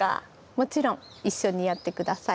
もちろん一緒にやって下さい。